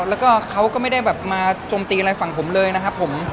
แล้วก็เขาก็ไม่ได้แบบมาจมตีอะไรฝั่งผมเลยนะครับผม